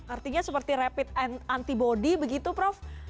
artinya seperti rapid antibody begitu prof